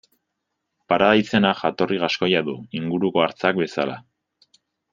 Parada izenak jatorri gaskoia du, inguruko Arzak bezala.